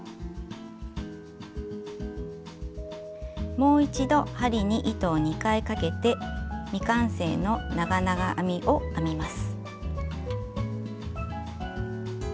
もう一度針に糸を２回かけて未完成の長々編みを編みます。